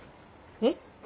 えっ？